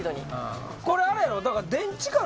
これあれやろ？